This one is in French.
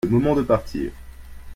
Le moment de partir.